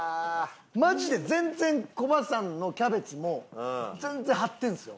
マジで全然コバさんのキャベツも全然張ってるんですよ。